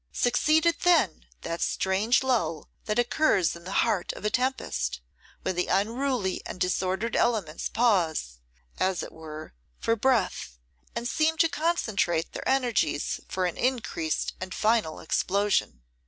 Succeeded then that strange lull that occurs in the heart of a tempest, when the unruly and disordered elements pause, as it were, for breath, and seem to concentrate their energies for an increased and final explosion.